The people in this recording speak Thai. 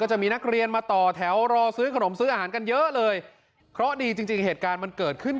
จะมีนักเรียนมาต่อแถวรอซื้อขนมซื้ออาหารกันเยอะเลยเพราะดีจริงจริงเหตุการณ์มันเกิดขึ้น